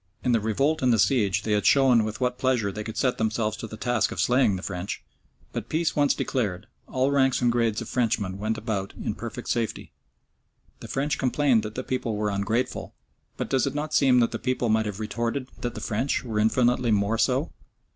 In the revolt and the siege they had shown with what pleasure they could set themselves to the task of slaying the French, but peace once declared all ranks and grades of Frenchmen went about in perfect safety. The French complained that the people were ungrateful; but does it not seem that the people might have retorted that the French were infinitely more so?